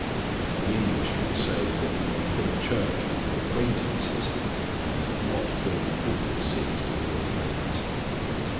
The English have a saying that you may fill a church with your acquaintances, and not fill the pulpit seats with your friends.